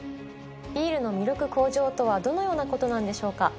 ビールに魅力向上とはどのようなことなんでしょうか？